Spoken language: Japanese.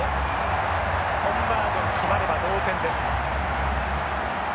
コンバージョン決まれば同点です。